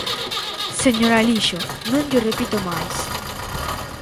Señor Alixo, non llo repito máis.